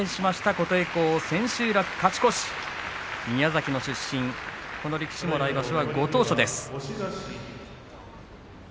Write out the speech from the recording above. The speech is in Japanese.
琴恵光、千秋楽勝ち越し宮崎の出身、この力士の来場所はご当所です。